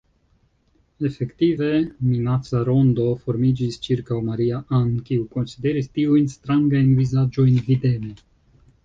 Efektive, minaca rondo formiĝis ĉirkaŭ Maria-Ann, kiu konsideris tiujn strangajn vizaĝojn videme.